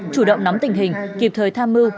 chủ động nắm tình hình kịp thời tham mưu